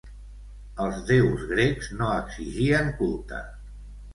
Els déus grecs no exigien culte.